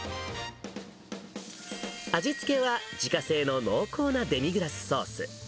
味付けは自家製の濃厚なデミグラスソース。